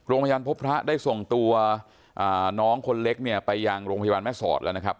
โรงพยาบาลพบพระได้ส่งตัวน้องคนเล็กเนี่ยไปยังโรงพยาบาลแม่สอดแล้วนะครับ